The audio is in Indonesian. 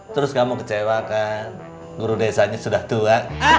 terus kamu kecewakan guru desanya sudah tua